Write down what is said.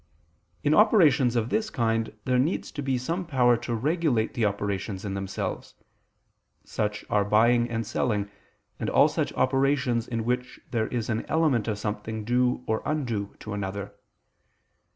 In operations of this kind there needs to be some power to regulate the operations in themselves: such are buying and selling, and all such operations in which there is an element of something due or undue to another.